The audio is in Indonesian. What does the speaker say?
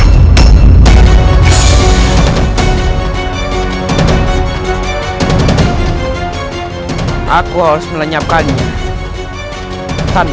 ini semakin sangat mencurigakan